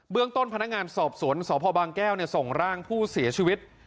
ต้นพนักงานสอบสวนสพบางแก้วส่งร่างผู้เสียชีวิต